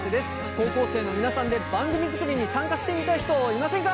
高校生の皆さんで番組作りに参加してみたい人いませんか？